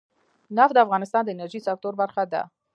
نفت د افغانستان د انرژۍ سکتور برخه ده.